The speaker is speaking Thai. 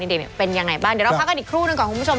เดี๋ยวเป็นยังไงบ้างเดี๋ยวเราพักกันอีกครู่หนึ่งก่อนคุณผู้ชม